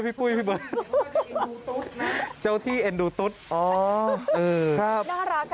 ปุ้ยพี่เบิร์ตเจ้าที่เอ็นดูตุ๊ดอ๋อครับน่ารักอ่ะ